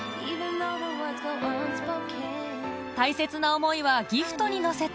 大切な思いはギフトに乗せて